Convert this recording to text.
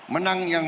menang yang mau